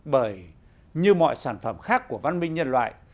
bởi như mọi sản phẩm khác của văn minh nhân loại